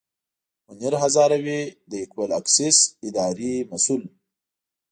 منیر هزاروي د اکول اکسیس اداري مسوول.